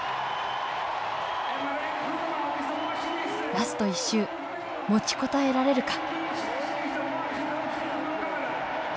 ラスト１周持ちこたえられるか。